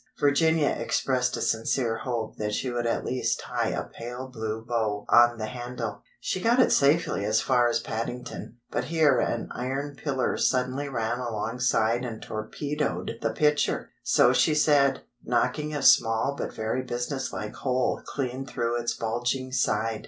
Virginia expressed a sincere hope that she would at least tie a pale blue bow on the handle. She got it safely as far as Paddington, but here an iron pillar suddenly ran alongside and torpedoed the pitcher—so she said—knocking a small but very business like hole clean through its bulging side.